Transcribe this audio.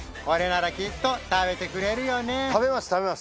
これならきっと食べてくれるよね？